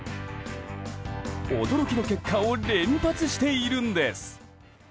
驚きの結果を連発しているんです。